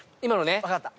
分かった。